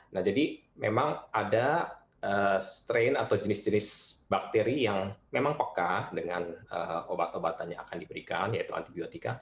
nah jadi memang ada strain atau jenis jenis bakteri yang memang peka dengan obat obatan yang akan diberikan yaitu antibiotika